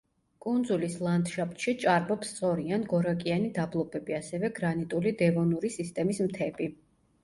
კუნძულის ლანდშაფტში ჭარბობს სწორი ან გორაკიანი დაბლობები, ასევე გრანიტული დევონური სისტემის მთები.